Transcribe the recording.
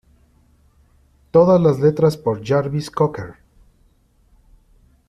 Todas las letras por Jarvis Cocker.